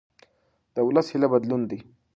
د ولس هیله بدلون دی